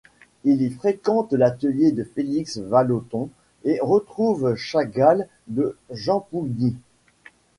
Il y fréquente l'atelier de Félix Vallotton, et retrouve Chagall et Jean Pougny.